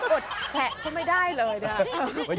อุดแผะก็ไม่ได้เลยนะ